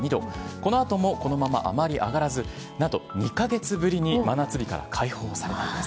このあともこのままあまり上がらず、なんと２か月ぶりに真夏日から解放されるんです。